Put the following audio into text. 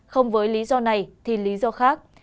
không với lý do này thì lý do khác